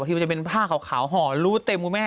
อาทีมันจะเป็นผ้าขาวหอลู้เต็มครูแม่